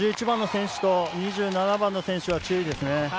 １１番の選手と２７番の選手は注意です。